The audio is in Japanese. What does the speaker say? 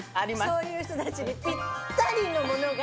そういう人たちにぴったりのものが。